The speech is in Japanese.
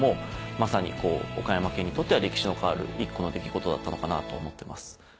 まさに岡山県にとっては歴史の変わる一個の出来事だったのかなと思ってます。